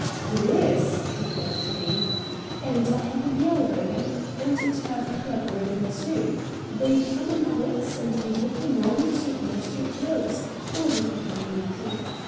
"It is!" declared Kinney; "and I have a Yale ribbon, and a Turf Club ribbon, too. They come on hooks, and you hook 'em on to match your clothes, or the company you keep.